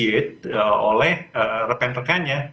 di perisi oleh rekan rekannya